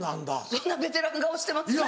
そんなベテラン顔してますか？